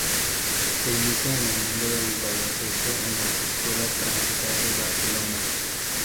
Se inicia en el mundo del baloncesto en las Escuelas francesas de Barcelona.